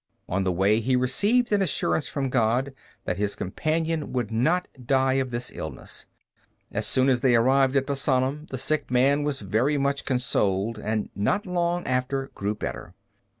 On the way he received an assurance from God that his companion would not die of this illness. As soon as they arrived at Bassanum, the sick man was very much consoled, and not long after grew better.